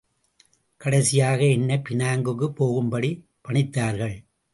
கடைசியாக என்னைப் பினாங்குக்குப் போகும்படி பணித்தார்கள்.